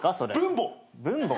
分母。